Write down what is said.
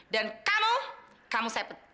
dan kamu kamu saya pecat